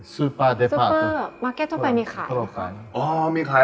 ซูเปอร์เดฟาตุซูเปอร์มาร์เก็ตทั่วไปมีขาย